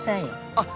あっ